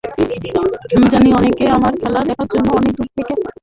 আমি জানি, অনেকে আমার খেলা দেখার জন্য অনেক দূর থেকে ডারবানে এসেছে।